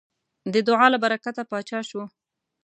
د دعا له برکته پاچا شو.